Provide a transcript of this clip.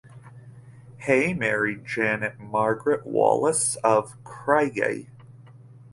Hay married Janet Margaret Wallace of Craigie.